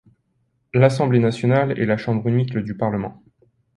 L’Assemblée nationale est la chambre unique du Parlement.